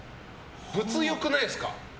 物欲ないですか？